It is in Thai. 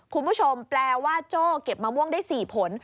คุณผู้ชมแปลว่าโจ้เก็บมะม่วงได้๔ผล